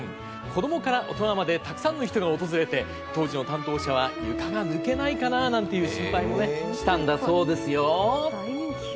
子供から大人までたくさんの人が訪れて当時の担当者は、床が抜けないかなという心配もしたんだそうですよ。